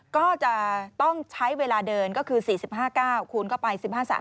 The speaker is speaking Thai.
ก็จะต้องใช้เวลาเดินก็คือ๔๕๙คูณเข้าไป๑๕๓